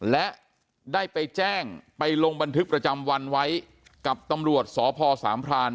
และได้ไปแจ้งไปลงบันทึกประจำวันไว้กับตำรวจสพสามพราน